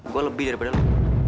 gue lebih daripada lu